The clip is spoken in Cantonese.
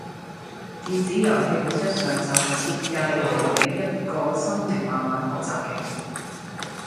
電子遊戲本質上就係設計嚟俾一個心靈慢慢學習嘅